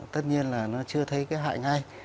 tất nhiên là nó chưa thấy cái hại ngay